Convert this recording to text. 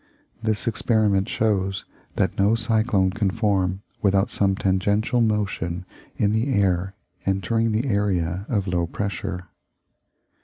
This experiment shows that no cyclone can form without some tangential motion in the air entering the area of low pressure.